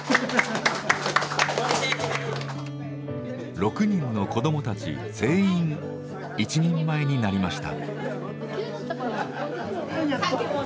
６人の子どもたち全員一人前になりました。